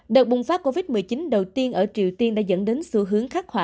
đợt bùng phát covid một mươi chín đầu tiên ở triều tiên đã dẫn đến xu hướng khắc họa